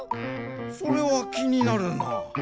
それはきになるな。